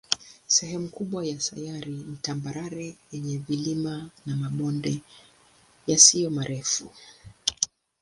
Sehemu kubwa ya sayari ni tambarare yenye vilima na mabonde yasiyo marefu.